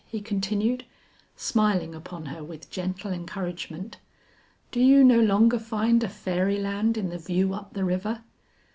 he continued, smiling upon her with gentle encouragement. "Do you no longer find a fairy land in the view up the river?"